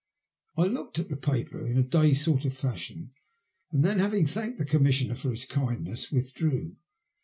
I looked at the paper in a dazed sort of fashion, and then, having thanked the Commissioner for his kind ness, withdrew.